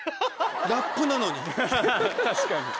確かに。